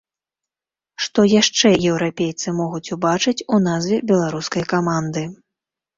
Што яшчэ еўрапейцы могуць убачыць у назве беларускай каманды?